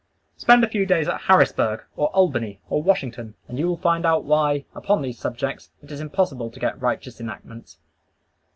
Spend a few days at Harrisburg, or Albany, or Washington, and you will find out why, upon these subjects, it is impossible to get righteous enactments.